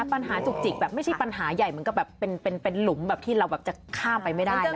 ปัญหาจุกแบบไม่ใช่ปัญหาใหญ่มันก็เป็นหลุมที่เราจะข้ามไปไม่ได้นะ